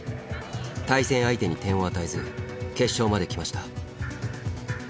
対戦相手に点を与えず決勝まで来ました。